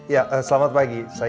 ya selamat pagi